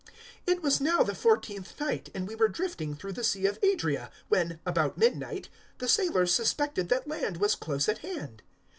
027:027 It was now the fourteenth night, and we were drifting through the Sea of Adria, when, about midnight, the sailors suspected that land was close at hand.